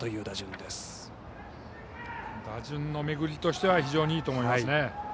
打順の巡りとしては非常にいいと思いますね。